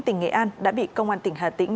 tỉnh nghệ an đã bị công an tỉnh hà tĩnh